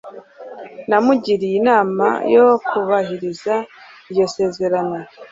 Namugiriye inama yo kubahiriza iryo sezerano.